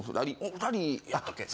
２人やったっけ？